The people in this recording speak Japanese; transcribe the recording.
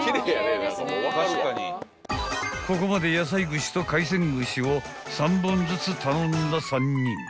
［ここまで野菜串と海鮮串を３本ずつ頼んだ３人］